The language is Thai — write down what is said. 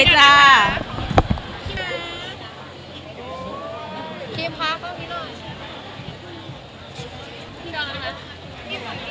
ก็เห็นแบบเพื่อนในหลายคน